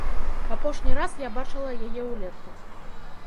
Апошні раз я бачыла яе ўлетку.